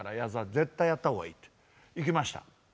絶対やった方がいいって行きました。